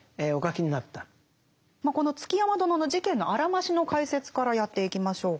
この築山殿の事件のあらましの解説からやっていきましょうか。